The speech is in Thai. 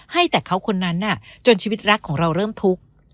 ให้แต่เขาคนนั้นจนชีวิตรักของเราเริ่มทุกข์